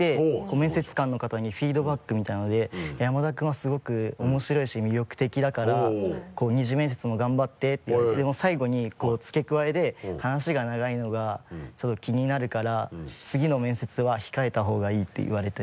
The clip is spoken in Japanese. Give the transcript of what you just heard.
面接官の方にフィードバックみたいなので「山田君はすごく面白いし魅力的だから２次面接も頑張って」ってでも最後に付け加えで「話が長いのがちょっと気になるから次の面接は控えた方がいい」って言われて。